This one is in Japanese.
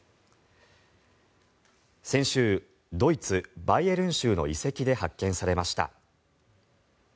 先週、ドイツ・バイエルン州の遺跡で発見されました。